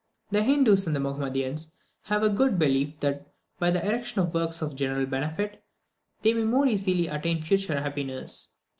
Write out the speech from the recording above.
The Hindoos and Mahomedans have the good belief that by the erection of works for general benefit, they may more easily attain future happiness.